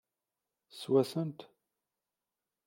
Teswa-tent?